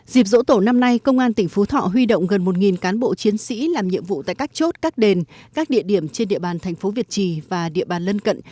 dịp dỗ tổ năm nay công an tỉnh phú thọ huy động gần một cán bộ chiến sĩ làm nhiệm vụ tại các chốt các đền các địa điểm trên địa bàn thành phố việt trì và địa bàn lân cận